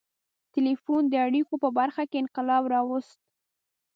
• ټیلیفون د اړیکو په برخه کې انقلاب راوست.